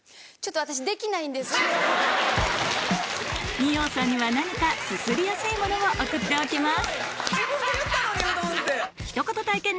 二葉さんには何かすすりやすいものを送っておきます